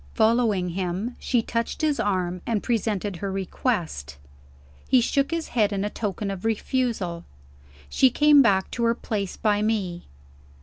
Following him, she touched his arm, and presented her request. He shook his head in token of refusal. She came back to her place by me.